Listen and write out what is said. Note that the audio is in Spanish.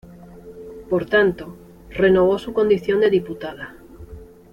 Por tanto, renovó su condición de diputada.